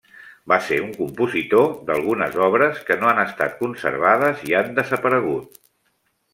Va ser un compositor d'algunes obres que no han estat conservades i han desaparegut.